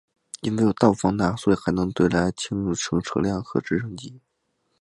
因为有大幅放大所以还能用来对付轻车辆甚至直升机。